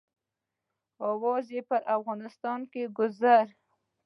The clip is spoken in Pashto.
اوازه یې په ټول افغانستان کې ګرزي.